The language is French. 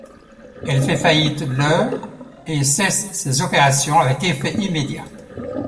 Elle fait faillite le et cesse ses opérations avec effet immédiat.